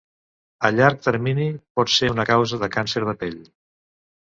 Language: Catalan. A llarg termini, pot ser una causa de càncer de pell.